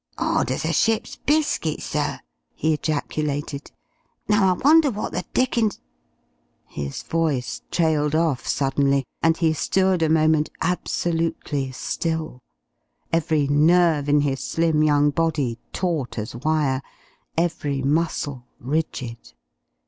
"'Ard as a ship's biscuit, sir," he ejaculated. "Now I wonder what the dickens?..." His voice trailed off suddenly, and he stood a moment absolutely still, every nerve in his slim young body taut as wire, every muscle rigid.